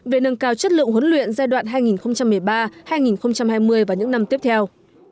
về nâng cao chất lượng huấn luyện giai đoạn hai nghìn một mươi ba hai nghìn hai mươi và những năm tiếp theo